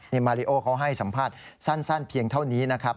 นี่มาริโอเขาให้สัมภาษณ์สั้นเพียงเท่านี้นะครับ